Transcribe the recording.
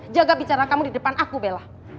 jaga bicara kamu di depan aku bella